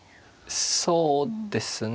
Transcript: そうですね。